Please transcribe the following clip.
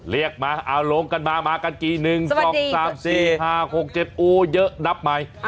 เรียกมาเอาลงกันมามากันกี่๑๒๓๔๕๖๗โอ้เยอะนับใหม่